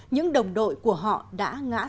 những đồng đội của họ đã thay đổi